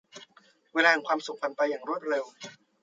เวลาแห่งความสุขผ่านไปอย่างรวดเร็ว